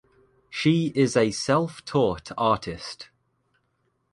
She is a self-taught artist.